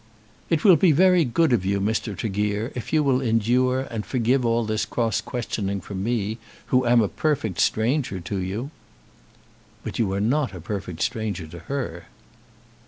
"It will be very good of you, Mr. Tregear, if you endure and forgive all this cross questioning from me, who am a perfect stranger to you." "But you are not a perfect stranger to her."